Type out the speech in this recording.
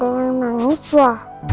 hai sayang kebangun ya